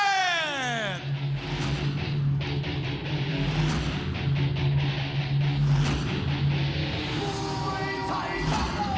ภารกิจที่สุดลูซิสและทูชัวร์